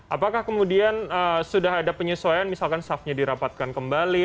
apakah kemudian sudah ada penyesuaian misalkan staffnya dirapatkan kembali